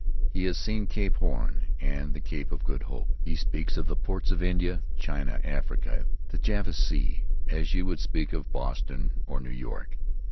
He has seen Cape Horn and the Cape of Good Hope; he speaks of the ports of India, China, Africa, the Java Sea, as you would speak of Boston or New York.